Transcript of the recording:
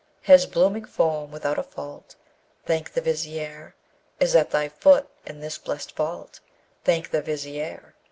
His blooming form without a fault: Thank the Vizier! Is at thy foot in this blest vault: Thank the Vizier!